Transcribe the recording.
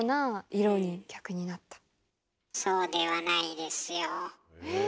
そうではないですよ。え？